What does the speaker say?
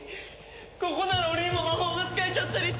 ここなら俺にも魔法が使えちゃったりする気が。